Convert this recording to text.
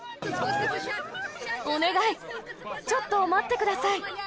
お願い、ちょっと待ってください！